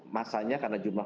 masanya karena jumlah